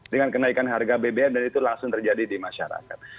dengan kenaikan harga bbm dan itu langsung terjadi di masyarakat